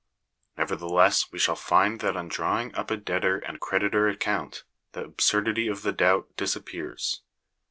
Nevertheless we shall find that on drawing up a debtor and creditor account, the absurdity of the doubt disappears.